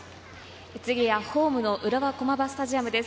次はホームの浦和駒場スタジアムです。